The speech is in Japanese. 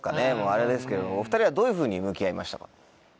あれですけどお２人はどういうふうに向き合いましたか？